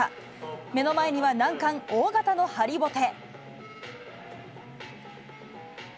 目の前には難関、大型の張りぼて。